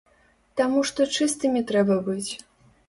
Таму што чыстымі трэба быць!